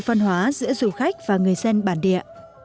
văn hóa giữa du khách và người dân bản địa